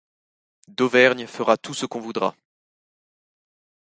Dauvergne fera tout ce qu'on voudra.